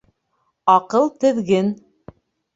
Аҡыл теҙген